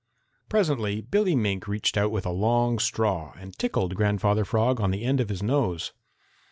Presently Billy Mink reached out with a long straw and tickled Grandfather Frog on the end of his nose.